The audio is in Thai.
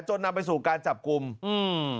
นำไปสู่การจับกลุ่มอืม